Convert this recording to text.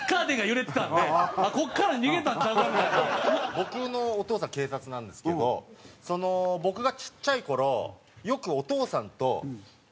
僕のお父さん警察なんですけど僕がちっちゃい頃よくお父さんと沼に釣りに行ってたんですよ。